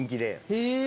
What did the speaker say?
え！